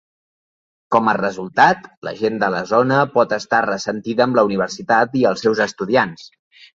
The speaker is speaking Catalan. Com a resultat, la gent de la zona pot estar ressentida amb la universitat i els seus estudiants.